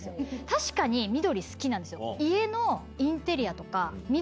確かに緑好きなんですよ。